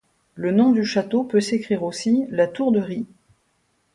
Le nom du château peut s'écrire aussi la Tour-de-Ry.